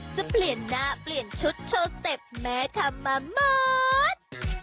จะเปลี่ยนหน้าเปลี่ยนชุดโชว์สเต็ปแม่ทำมาหมด